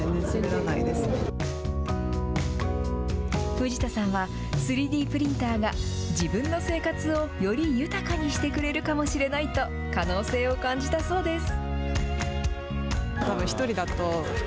藤田さんは、３Ｄプリンターが、自分の生活をより豊かにしてくれるかもしれないと、可能性を感じたそうです。